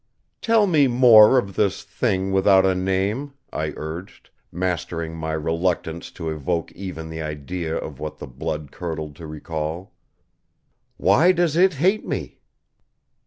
"Tell me more of this Thing without a name," I urged, mastering my reluctance to evoke even the idea of what the blood curdled to recall. "Why does It hate me?"